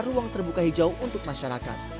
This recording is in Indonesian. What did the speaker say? ruang terbuka hijau untuk masyarakat